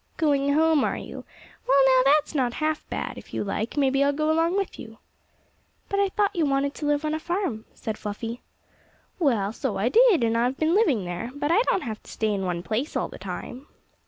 "Going home, are you! Well, now, that's not half bad. If you like, maybe I'll go along with you." "But I thought you wanted to live on a farm," said Fluffy. "Well, so I did, and I've been living there, but I don't have to stay in one place all the time."